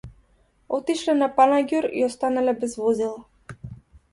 Отишле на панаѓур и останале без возила